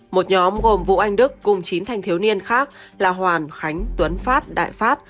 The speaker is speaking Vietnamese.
một nhóm gồm vũ anh đức cùng chín thanh thiếu niên khác là hoàn khánh tuấn pháp đại pháp